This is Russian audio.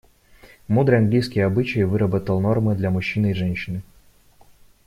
Мудрый английский обычай выработал нормы для мужчины и женщины.